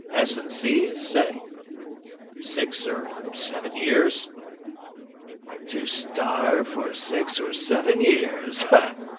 S. and C.'s, say? Six or seven years.' 'To starve for six or seven years!